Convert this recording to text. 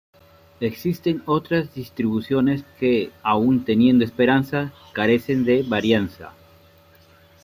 Existen otras distribuciones que, aun teniendo esperanza, carecen de varianza.